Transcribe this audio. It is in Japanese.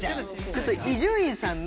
ちょっと伊集院さんの。